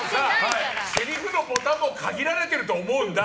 せりふのボタンも限られてると思うんだ。